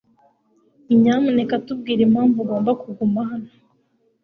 Nyamuneka tubwire impamvu ugomba kuguma hano .